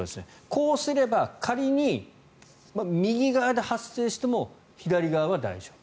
こうすれば仮に右側で発生しても左側は大丈夫。